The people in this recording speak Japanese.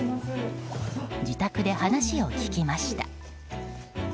自宅で話を聞きました。